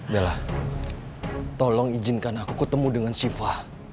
bella tolong izinkan aku ketemu dengan sifah